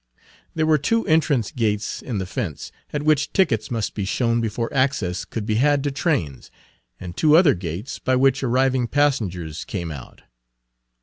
There were two entrance gates in the fence, at which tickets must be shown before access could be had to trains, and two other gates, by which arriving passengers came out.